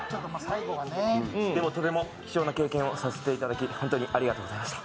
でも、とても貴重な経験をさせていただき本当にありがとうございました。